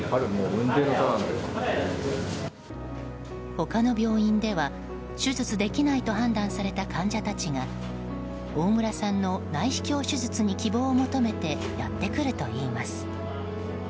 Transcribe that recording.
他の病院では、手術できないと判断された患者たちが大村さんの内視鏡手術に希望を求めてやってくるといいます。